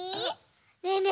ねえねえ